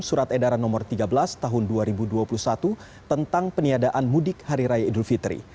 surat edaran nomor tiga belas tahun dua ribu dua puluh satu tentang peniadaan mudik hari raya idul fitri